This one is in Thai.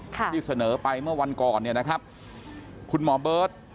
ที่เสนอไปเมื่อวันก่อนเนี่ยนะครับคุณหมอเบิร์ต